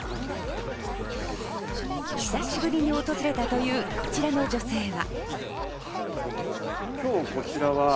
久しぶりに訪れたというこちらの女性は。